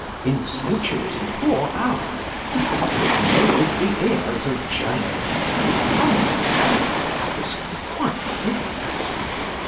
In centuries before ours the public nailed the ears of journalists to the pump. That was quite hideous.